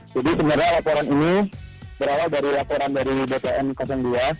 jadi sebenarnya laporan ini berawal dari laporan dari bpn dua